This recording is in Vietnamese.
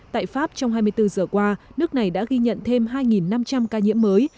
tại pháp trong hai mươi bốn giờ qua nước này đã ghi nhận thêm hai năm trăm linh ca nhiễm mới